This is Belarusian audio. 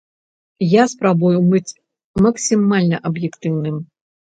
Я спрабую быць максімальна аб'ектыўным.